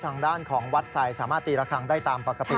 ทางด้านของวัดไซด์สามารถตีระคังได้ตามปกติ